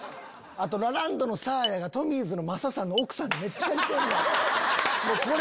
あとラランドのサーヤがトミーズの雅さんの奥さんにめっちゃ似てんねん。